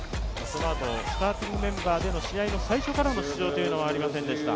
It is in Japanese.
そのあとスターティングメンバー最初からの試合出場というのはありませんでした。